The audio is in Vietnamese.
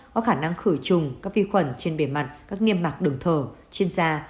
có khả năng khử trùng các vi khuẩn trên bề mặt các niêm mạc đường thờ trên da